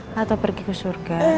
maksudnya pergi ke surga